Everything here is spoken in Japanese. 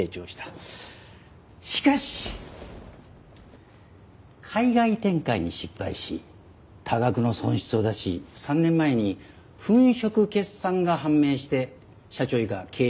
しかし海外展開に失敗し多額の損失を出し３年前に粉飾決算が判明して社長以下経営陣が総退陣したんだ。